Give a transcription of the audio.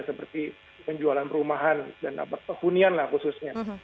seperti penjualan perumahan dan hunian lah khususnya